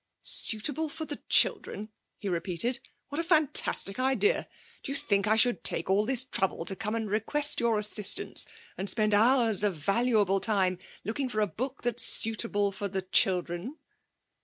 'Suitable for the children?' he repeated. 'What a fantastic idea! Do you think I should take all this trouble to come and request your assistance and spend hours of valuable time looking for a book that's suitable for the children?'